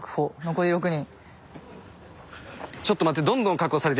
残り６人。